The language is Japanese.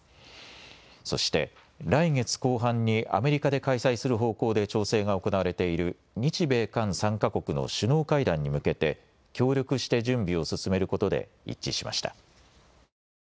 そして来月後半にアメリカで開催する方向で調整が行われている日米韓３か国の首脳会談に向けて協力して準備を進めることで一致しました。